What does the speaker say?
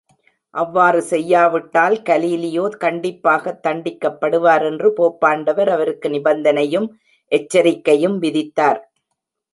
அவ்வாறு செய்ய விட்டால் கலீலியோ கண்டிப்பாகத்தண்டிக்கப்படுவார் என்று போப்பாண்டவர் அவருக்கு நிபந்தனையும், எச்சரிக்கையும் விதித்தார்.